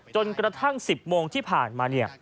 จนกระทั้ง๑๐โมงที่ผ่านมา